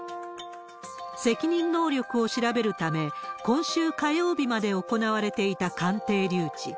責任能力を調べるため、今週火曜日まで行われていた鑑定留置。